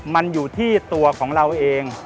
มันอยู่ที่ตัวของเราเอง